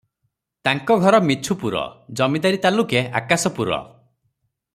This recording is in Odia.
ତାଙ୍କ ଘର ମିଛୁପୁର, ଜମିଦାରୀ ତାଲୁକେ ଆକାଶପୁର ।